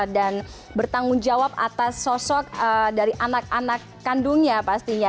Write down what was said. dan bertanggung jawab atas sosok dari anak anak kandungnya pastinya